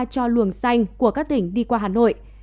cho luồng xanh của các tỉnh đi qua hà nội